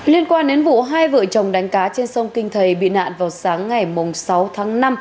liên quan đến vụ hai vợ chồng đánh cá trên sông kinh thầy bị nạn vào sáng ngày sáu tháng năm